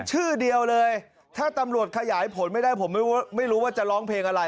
ชื่อเดียวเลยถ้าตำรวจขยายผลไม่ได้ผมไม่รู้ว่าจะร้องเพลงอะไร